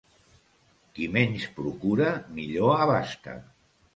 Qui menys procura, millor abasta.